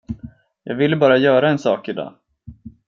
Jag ville bara göra en sak idag.